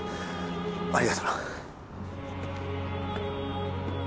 ありがとな